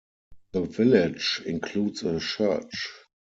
The village includes a church.